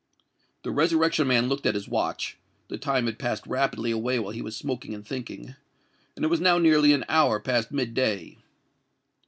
The Resurrection Man looked at his watch:—the time had passed rapidly away while he was smoking and thinking;—and it was now nearly an hour past mid day.